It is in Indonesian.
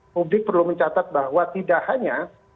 publik perlu mencatat bahwa tidak hanya